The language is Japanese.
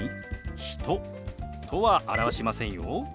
「人」とは表しませんよ。